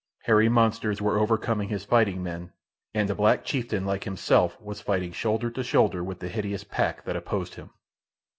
Hairy monsters were overcoming his fighting men, and a black chieftain like himself was fighting shoulder to shoulder with the hideous pack that opposed him.